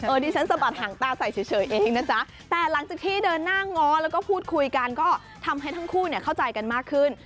ดิฉันสะบัดหางตาใส่เฉยเองนะจ๊ะแต่หลังจากที่เดินหน้าง้อแล้วก็พูดคุยกันก็ทำให้ทั้งคู่เนี่ยเข้าใจกันมากขึ้น